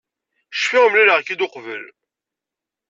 Cfiɣ mlaleɣ-k-id uqbel.